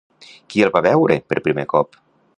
Qui el va veure per primer cop?